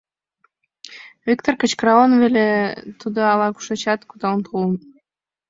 Виктор кычкыралын веле, тудо ала-кушечат кудал толын.